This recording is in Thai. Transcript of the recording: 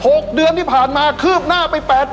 หกเดือนที่ผ่านมาคืบหน้าไปแปด